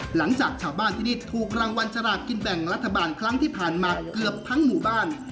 หลังจากชาวบ้านที่นี่ถูกรางวัลสลากกินแบ่งรัฐบาลครั้งที่ผ่านมาเกือบทั้งหมู่บ้าน